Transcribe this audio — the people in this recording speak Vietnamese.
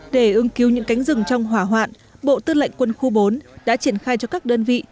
để ưng cứu những cánh rừng trong hỏa hoạn bộ tư lệnh quân khu bốn đã triển khai cho các đơn vị